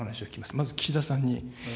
まず岸田さんに。